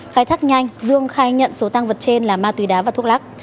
khai thác nhanh dương khai nhận số tăng vật trên là ma túy đá và thuốc lắc